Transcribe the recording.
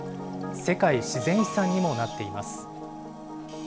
世界自然遺産にもなっています。